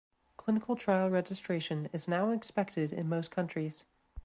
Clinical trial registration is now expected in most countries.